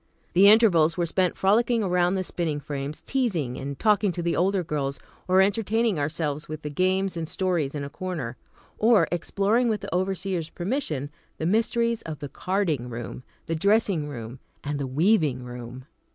The intervals were spent frolicking around around the spinning frames, teasing and talking to the older girls, or entertaining ourselves with the games and stories in a corner, or exploring with the overseer's permission, the mysteries of the the carding room, the dressing room and the weaving room.